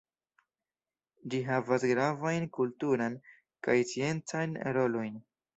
Ĝi havas gravajn kulturan kaj sciencan rolojn.